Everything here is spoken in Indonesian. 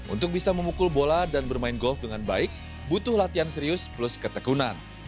untuk bisa memukul bola dan bermain golf dengan baik butuh latihan serius plus ketekunan